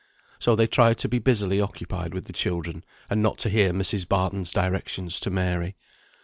So they tried to be busily occupied with the children, and not to hear Mrs. Barton's directions to Mary.